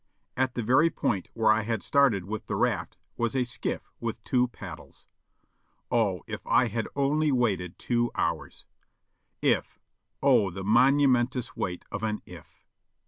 At the very point where I had started with the raft was a skiff with two paddles. Oh, if I had only waited two hours! If — oh, the momentous weight of an "if!"